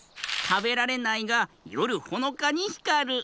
たべられないがよるほのかにひかる。